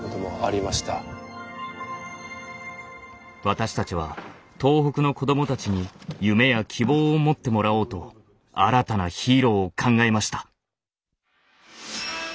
私たちは東北の子どもたちに夢や希望を持ってもらおうと新たなヒーローを考えました。